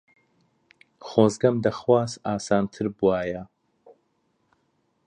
خۆزگەم دەخواست ئاسانتر بووایە.